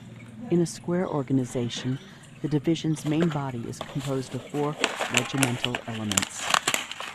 In a square organization, the division's main body is composed of four regimental elements.